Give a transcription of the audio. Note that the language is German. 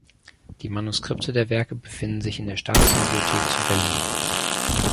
Die Manuskripte der Werke befinden sich in der Staatsbibliothek zu Berlin.